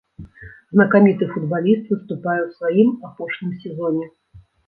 Знакаміты футбаліст выступае ў сваім апошнім сезоне.